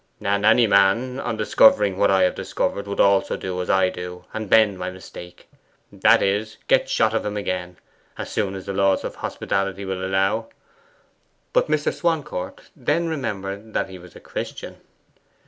'And any man, on discovering what I have discovered, would also do as I do, and mend my mistake; that is, get shot of him again, as soon as the laws of hospitality will allow.' But Mr. Swancourt then remembered that he was a Christian.